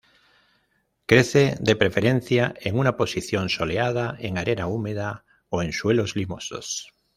Crece de preferencia en una posición soleada, en arena húmeda o en suelos limosos.